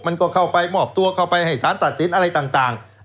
มันก็เข้าไปมอบตัวเข้าไปให้สารตัดสินอะไรต่าง